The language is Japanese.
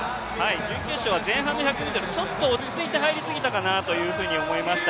準決勝は前半の１００ｍ、ちょっと落ち着いて入りすぎたかなと思いました。